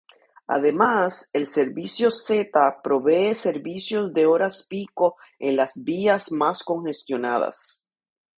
Además, el servicio Z provee servicios de horas pico en las vías mas congestionadas.